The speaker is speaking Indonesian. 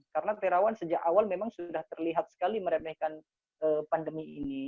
karena perawan sejak awal memang sudah terlihat sekali meremehkan pandemi ini